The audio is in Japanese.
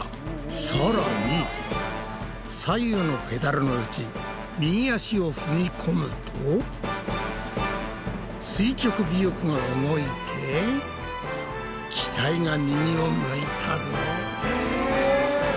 さらに左右のペダルのうち右足を踏み込むと垂直尾翼が動いて機体が右を向いたぞ。